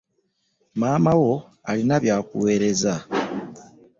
Maama wo alina byakuwerezza.